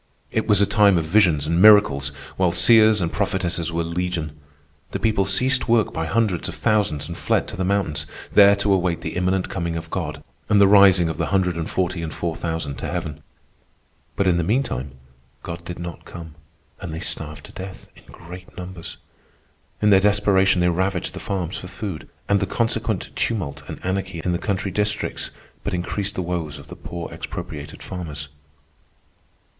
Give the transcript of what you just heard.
It was a time of visions and miracles, while seers and prophetesses were legion. The people ceased work by hundreds of thousands and fled to the mountains, there to await the imminent coming of God and the rising of the hundred and forty and four thousand to heaven. But in the meantime God did not come, and they starved to death in great numbers. In their desperation they ravaged the farms for food, and the consequent tumult and anarchy in the country districts but increased the woes of the poor expropriated farmers.